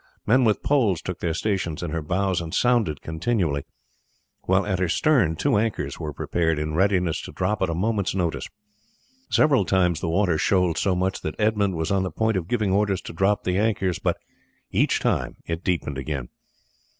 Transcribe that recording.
Men with poles took their stations in her bows and sounded continually, while at her stern two anchors were prepared in readiness to drop at a moment's notice. Several times the water shoaled so much that Edmund was on the point of giving orders to drop the anchors, but each time it deepened again.